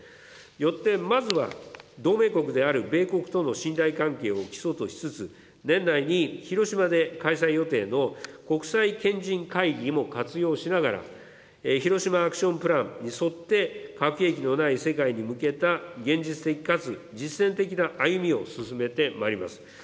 よってまずは、同盟国である米国との信頼関係を基礎としつつ、年内に広島で開催予定の国際賢人会議も活用しながら、ヒロシマ・アクション・プランに沿って核兵器のない世界に向けた現実的かつ実践的な歩みを進めてまいります。